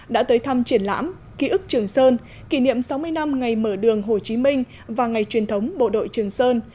đã tới thăm triển lãm ký ức trường sơn kỷ niệm sáu mươi năm ngày mở đường hồ chí minh và ngày truyền thống bộ đội trường sơn